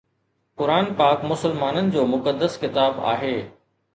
قرآن پاڪ مسلمانن جو مقدس ڪتاب آهي